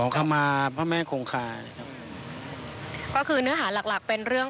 สวัสดีครับ